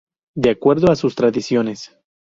De acuerdo a sus tradiciones.